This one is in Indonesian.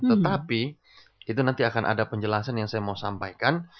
tetapi itu nanti akan ada penjelasan yang saya mau sampaikan